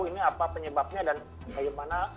ini apa penyebabnya dan bagaimana